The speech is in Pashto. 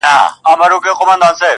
کومه ورځ چي تاته زه ښېرا کوم,